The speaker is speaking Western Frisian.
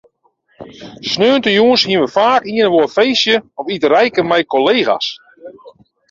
Sneontejûns hiene we faak ien of oar feestje of iterijke mei kollega's.